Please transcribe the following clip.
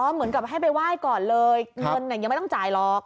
เหมือนกับให้ไปไหว้ก่อนเลยเงินยังไม่ต้องจ่ายหรอก